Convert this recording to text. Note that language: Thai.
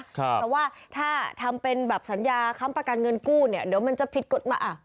เพราะว่าถ้าทำเป็นแบบสัญญาค้ำประกันเงินกู้เนี่ยเดี๋ยวมันจะผิดกฎมา